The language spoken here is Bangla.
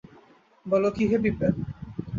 বল কী হে বিপিন!